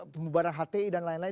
pembubaran hti dan lain lain